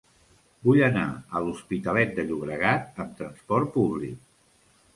Vull anar a l'Hospitalet de Llobregat amb trasport públic.